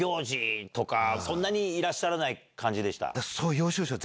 そんなにいらっしゃらない感じでした？